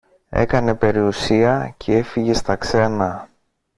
έκανε περιουσία κι έφυγε στα ξένα